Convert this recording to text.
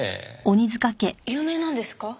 有名なんですか？